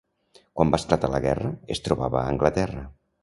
Quan va esclatar la guerra, es trobava a Anglaterra.